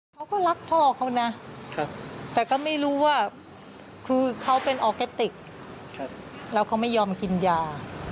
เขาก็รักพ่อเขานะแต่ก็ไม่รู้ว่าคือเขาเป็นออร์แกติกแล้วเขาไม่ยอมกินยา